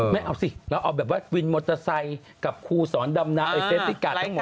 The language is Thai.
แม่เอาสิแล้วเอาแบบว่าวินมอเตอร์ไซค์กับครูสอนดำนา